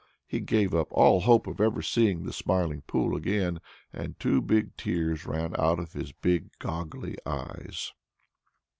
He gave up all hope of ever seeing the Smiling Pool again, and two big tears ran out of his big goggly eyes.